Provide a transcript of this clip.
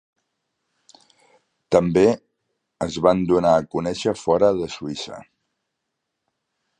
També es van donar a conèixer fora de Suïssa.